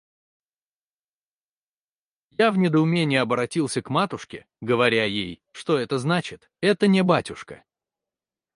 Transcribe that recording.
Я в недоумении оборотился к матушке, говоря ей: «Что это значит? Это не батюшка.